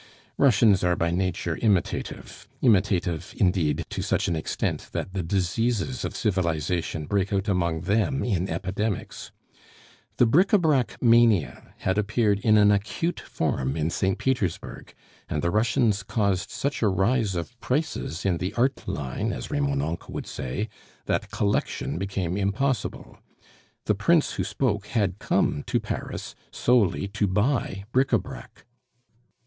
Russians are by nature imitative; imitative indeed to such an extent that the diseases of civilization break out among them in epidemics. The bric a brac mania had appeared in an acute form in St. Petersburg, and the Russians caused such a rise of prices in the "art line," as Remonencq would say, that collection became impossible. The prince who spoke had come to Paris solely to buy bric a brac.